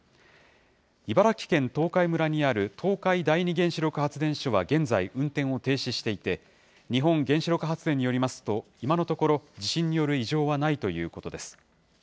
茨城県東海村にある東海第二原子力発電所は現在、運転を停止していて、日本原子力発電によりますと、今のところ、地震による異常はないということです。